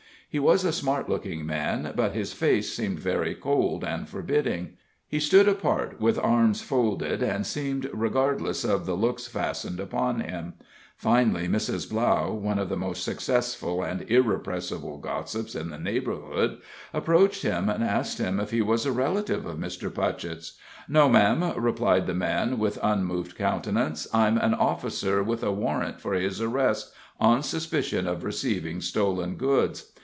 He was a smart looking man, but his face seemed very cold and forbidding; he stood apart, with arms folded, and seemed regardless of the looks fastened upon him. Finally Mrs. Blough, one of the most successful and irrepressible gossips in the neighborhood, approached him and asked him if he was a relative of Mr. Putchett's. "No, ma'am," replied the man, with unmoved countenance. "I'm an officer with a warrant for his arrest, on suspicion of receiving stolen goods.